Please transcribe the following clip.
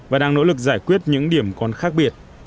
và đang nỗ lực giải quyết những điểm còn khác biệt